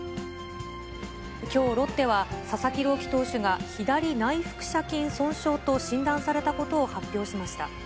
きょう、ロッテは佐々木朗希投手が左内腹斜筋損傷と診断されたことを発表しました。